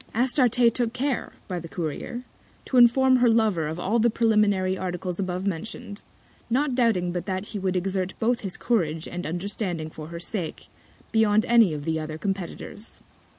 Astarte took care, by the Courier, to inform her Lover of all the Preliminary Articles abovemention'd, not doubting but that he would exert both his Courage and Understanding for her Sake, beyond any of the other Competitors.